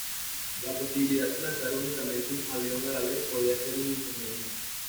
La posibilidad de lanzar únicamente un avión a la vez, podría ser un inconveniente.